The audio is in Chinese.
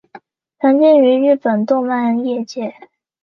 常见于日本动漫业界。